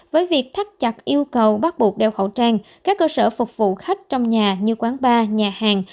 với việc thắt chặt yêu cầu bắt buộc đeo khẩu trang các cơ sở phục vụ khách trong nhà như quán bar nhà hàng